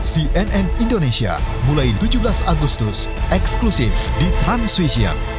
cnn indonesia mulai tujuh belas agustus eksklusif di transvision